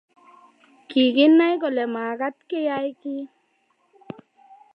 Kiginay kole magat Keyay kiy